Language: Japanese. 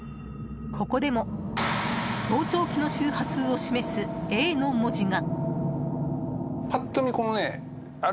ここでも盗聴器の周波数を示すＡの文字が。